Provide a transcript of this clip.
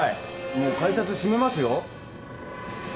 もう改札閉めますよ。